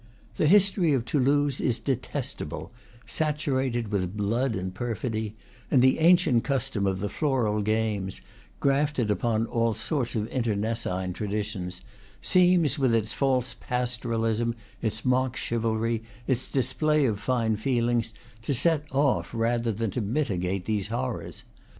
The history of Toulouse is detestable, saturated with blood and perfidy; and the ancient custom of the Floral Games, grafted upon all sorts of internecine traditions, seems, with its false pastoralism, its mock chivalry, its display of fine feelings, to set off rather than to mitigate these horrors.